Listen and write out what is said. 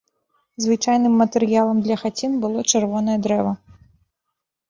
Звычайным матэрыялам для хацін было чырвонае дрэва.